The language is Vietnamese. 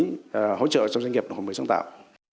hỗ trợ cho doanh nghiệp đổi mới sáng tạo